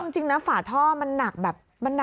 จริงนะฝาท่อมันหนักแบบ